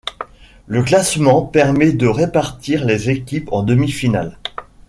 Le classement permet de répartir les équipes en demi-finales.